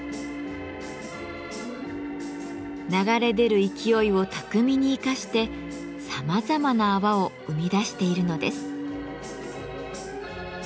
流れ出る勢いを巧みに生かしてさまざまな泡を生み出しているのです。